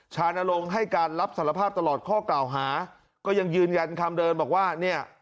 ชานลงให้การรับสารภาพตลอดข้อกล่าวหาก็ยังยืนยันคำเดิมบอกว่าเนี่ย